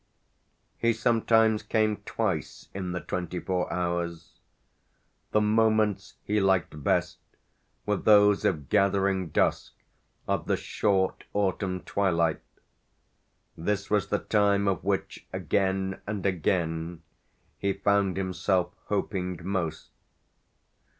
He sometimes came twice in the twenty four hours; the moments he liked best were those of gathering dusk, of the short autumn twilight; this was the time of which, again and again, he found himself hoping most.